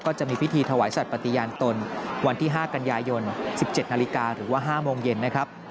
จะมีพิธีถวายสัตว์ปฏิญาณตนวันที่๕กันยายน๑๗นาฬิกาหรือว่า๕โมงเย็นนะครับ